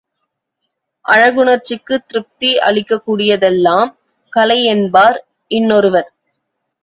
அழகுணர்ச்சிக்குத் திருப்தி அளிக்கக் கூடிய தெல்லாம் கலை என்பார் இன்னொருவர்.